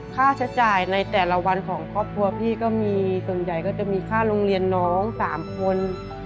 ค่าใช้จ่ายในแต่ละวันของครอบครัวพี่ก็มีส่วนใหญ่ก็จะมีค่าโรงเรียนน้อง๓คน